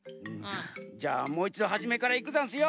じゃあもういちどはじめからいくざんすよ。